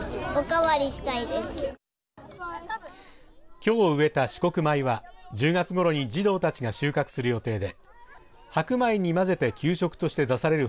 きょう植えた紫黒米は１０月ごろに児童たちが収穫する予定で白米に混ぜて給食として出される